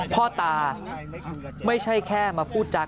พ่อตาไม่ใช่แค่มาพูดจา